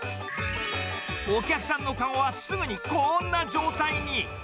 お客さんの籠はすぐにこんな状態に。